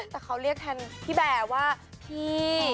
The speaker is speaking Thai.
แต่เขาเรียกแทนพี่แบร์ว่าพี่